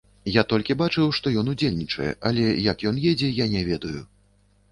Я толькі бачыў, што ён удзельнічае, але як ён едзе, я не ведаю.